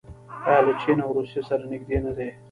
آیا له چین او روسیې سره نږدې نه دي؟